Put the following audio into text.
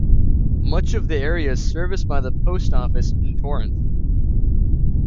Much of the area is serviced by the post office in Torrance.